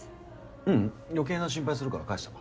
ううん余計な心配するから帰した。